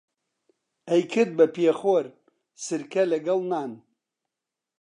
ئەیکرد بە پێخۆر سرکە لەگەڵ نان